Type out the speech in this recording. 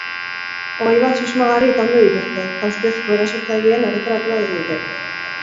Hogei bat susmagarri itaundu dituzte, eta ustezko erasotzaileen erretratua egin dute.